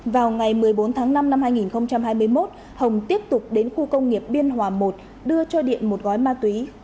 vào ngày một mươi bốn tháng năm năm hai nghìn hai mươi một hồng tiếp tục đến khu công nghiệp biên hòa i đưa cho điện một gói ma túy